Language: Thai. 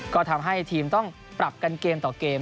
ก็ทำให้ทีมต้องปรับกันเกมต่อเกม